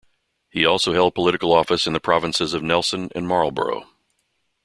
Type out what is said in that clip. He also held political office in the provinces of Nelson and Marlborough.